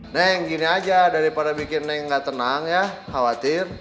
neng gini aja daripada bikin neng nggak tenang ya khawatir